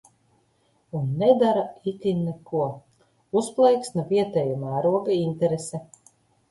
Un nedara itin neko. Uzplaiksna vietēja mēroga interese.